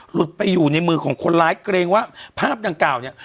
หลุดไปอยู่ในมือของคนร้ายเกรงว่าภาพดังกล่าวเนี่ย